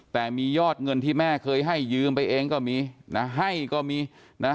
แต่มียอดเงินที่แม่เคยให้ยืมไปเองก็มีนะให้ก็มีนะ